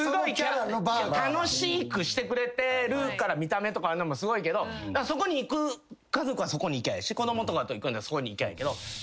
楽しくしてくれてるから見た目とかすごいけどそこに行く家族はそこに行きゃええし子供とかと行くんならそこに行きゃええけど。